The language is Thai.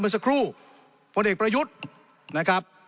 สักครู่พลเอกประยุทธ์นะครับ